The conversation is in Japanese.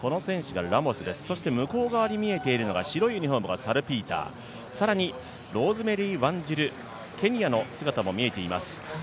そして向こう側に見えているのが白いユニフォームがサルピーター、更にローズメリー・ワンジルケニアの姿も見えています。